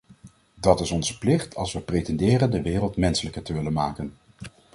Dat is onze plicht als we pretenderen de wereld menselijker te willen maken.